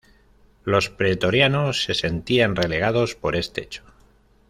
Los pretorianos se sentían relegados por este hecho.